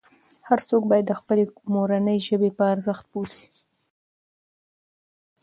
هر څوک باید د خپلې مورنۍ ژبې په ارزښت پوه سي.